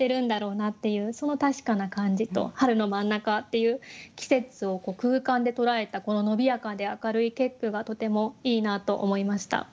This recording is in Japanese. その確かな感じと「春の真ん中」っていう季節を空間で捉えたこの伸びやかで明るい結句がとてもいいなと思いました。